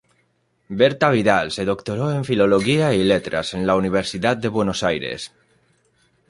Berta Vidal se doctoró en Filología y Letras en la Universidad de Buenos Aires.